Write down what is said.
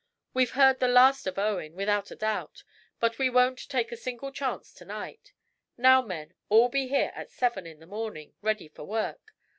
"We've heard the last of Owen, without a doubt, but we won't take a single chance to night. Now, men, all be here at seven in the morning, ready for work.